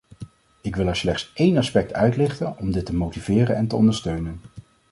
Ik wil er slechts één aspect uitlichten om dit te motiveren en te ondersteunen.